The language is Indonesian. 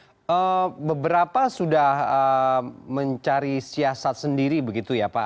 pak beberapa sudah mencari siasat sendiri begitu ya pak